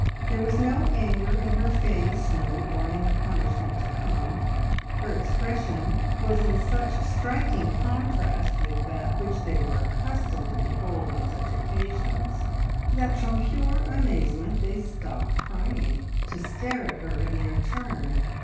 There was no anger in her face, no warning of punishment to come, her expression was in such striking contrast with that which they were accustomed to behold on such occasions, that from pure amazement they stopped crying to stare at her in their turn.